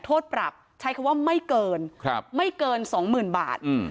โทษปรับใช้คำว่าไม่เกินไม่เกินสองหมื่นบาท